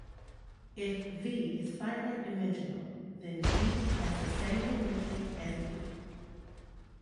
If "V" is finite-dimensional, then "V" has the same dimension as "V".